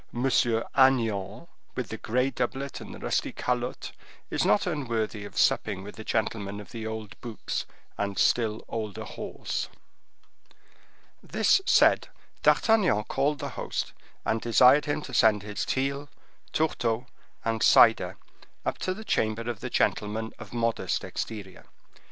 Agnan, with the gray doublet and the rusty calotte, is not unworthy of supping with the gentleman of the old boots and still older horse." This said, D'Artagnan called the host, and desired him to send his teal, tourteau, and cider up to the chamber of the gentleman of modest exterior.